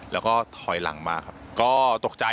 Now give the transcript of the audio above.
แล้วก็ถอยหลังมาครับก็ตกใจ